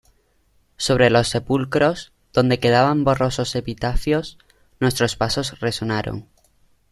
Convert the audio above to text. sobre los sepulcros, donde quedaban borrosos epitafios , nuestros pasos resonaron.